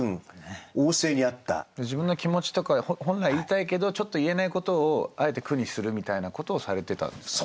自分の気持ちとか本来言いたいけどちょっと言えないことをあえて句にするみたいなことをされてたんですかね。